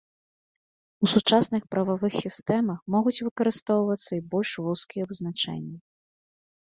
У сучасных прававых сістэмах могуць выкарыстоўвацца і больш вузкія вызначэнні.